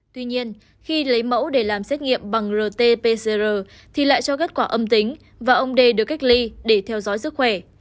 tuy nhiên khi lấy mẫu để làm xét nghiệm bằng rt pcr thì lại cho kết quả âm tính và ông đề được cách ly để theo dõi sức khỏe